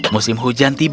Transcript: musim hujan tiba